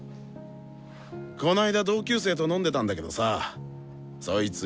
この間同級生と飲んでたんだけどさそいつ